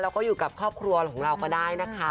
แล้วก็อยู่กับครอบครัวของเราก็ได้นะคะ